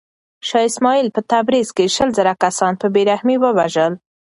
شاه اسماعیل په تبریز کې شل زره کسان په بې رحمۍ ووژل.